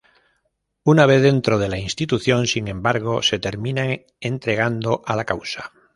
Una vez dentro de la institución, sin embargo, se terminan entregando a la causa.